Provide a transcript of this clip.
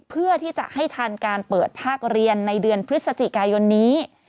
เพื่อที่จะให้ทันการเปิดภาคเรียนในเดือนพฤศจิกายนนี้